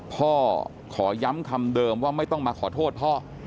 ขอย้ำคำเดิมว่าไม่ต้องมาขอโทษพ่อ